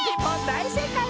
だいせいかい！